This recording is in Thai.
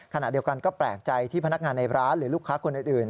ขณะเดียวกันก็แปลกใจที่พนักงานในร้านหรือลูกค้าคนอื่น